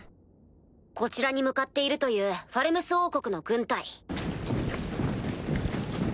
こちらに向かっているというファルムス王国の軍隊。